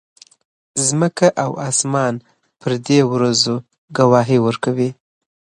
ځمکه او اسمان پر دې ورځې ګواهي ورکوي.